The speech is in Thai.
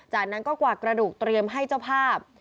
จากนั้นก็กวาดกระดูกเตรียมให้เจ้าภาพ